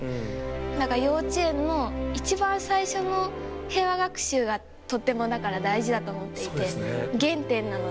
なんか幼稚園の一番最初の平和学習が、とってもだから大事だと思っていて、原点なので。